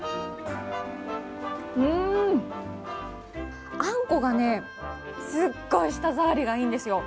うん、あんこがすごい舌触りがいいんですよ。